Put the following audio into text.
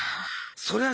そりゃ